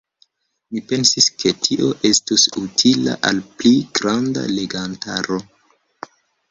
Mi pensis, ke tio estus utila al pli granda legantaro.